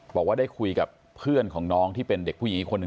บอกว่าได้คุยกับเพื่อนของน้องที่เป็นเด็กผู้หญิงอีกคนหนึ่ง